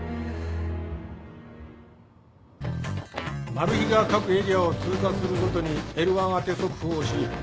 マルヒが各エリアを通過するごとにＬ１あて速報し完全封鎖。